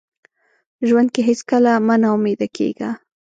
ژوند کې هیڅکله مه ناامیده کیږه.